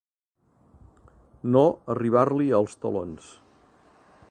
No arribar-li als talons.